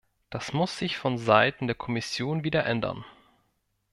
Das muss sich von seiten der Kommission wieder ändern.